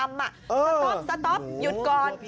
สต๊อปสต๊อปหยุดก่อน